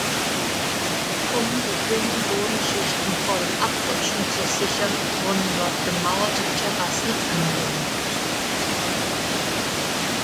Um die dünnen Bodenschichten vor dem Abrutschen zu sichern, wurden dort gemauerte Terrassen angelegt.